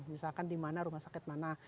misalkan di mana rumah sakit mana